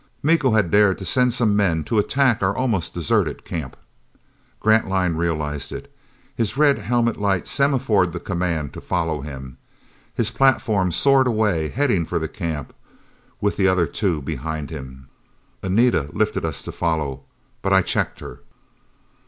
Miko had dared to send some men to attack our almost deserted camp! Grantline realized it. His red helmet light semaphored the command to follow him. His platform soared away, heading for the camp, with the other two behind him. Anita lifted us to follow. But I checked her.